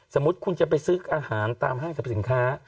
สมมุติคุณจะไปซื้ออาหารตามห้างสรรพสินค้า